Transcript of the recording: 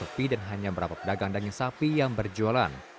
sepi dan hanya beberapa pedagang daging sapi yang berjualan